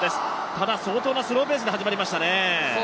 ただ、相当なスローペースで始まりましたね。